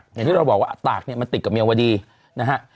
อย่างที่เราบอกว่าตากเนี่ยมันติดกับเมียวดีนะฮะ